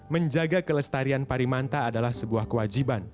menjaga kelestarian parimanta adalah sebuah kewajiban